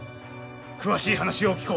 詳しい話を聞こう！